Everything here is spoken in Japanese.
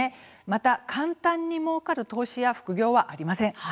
また、簡単にもうかる投資や副業はありません。